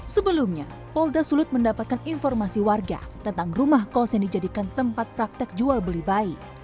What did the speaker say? sebelumnya polda sulut mendapatkan informasi warga tentang rumah kos yang dijadikan tempat praktek jual beli bayi